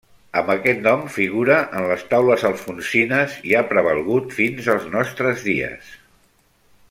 Amb aquest nom figura en les Taules alfonsines, i ha prevalgut fins als nostres dies.